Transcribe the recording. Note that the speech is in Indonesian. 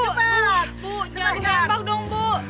cepat bu jangan tembak dong bu